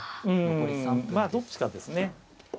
うんまあどっちかですね。